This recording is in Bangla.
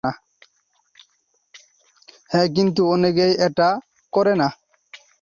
হ্যাঁ কিন্তু অনেকেই এটা করেনা।